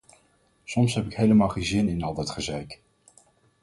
Soms heb ik helemaal geen zin in al dat gezeik!